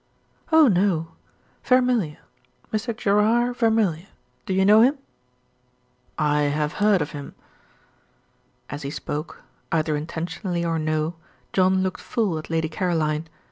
"Oh, no! Vermilye. Mr. Gerard Vermilye. Do you know him?" "I have heard of him." As he spoke either intentionally or no John looked full at Lady Caroline.